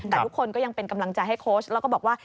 แต่ทุกคนก็ยังเป็นกำลังใจให้โค้ชแล้วก็บอกว่า